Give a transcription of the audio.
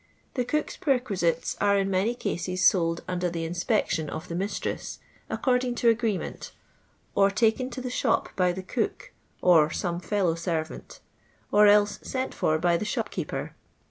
The cook*s perquisites are in many cases sold imder the inspection of the mistress, according to agree ment ; or taken to the shop by the cook or some fellow servant ; or else sent for by the shopkeeper.